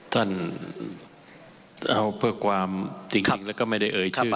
ท่านเอาเพื่อความจริงแล้วก็ไม่ได้เอ่ยชื่อ